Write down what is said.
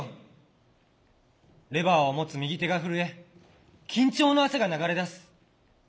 レバーを持つ右手が震え緊張の汗が流れ出す。